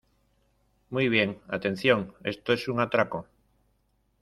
¡ Muy bien, atención , esto es un atraco!